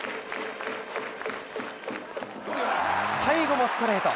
最後もストレート。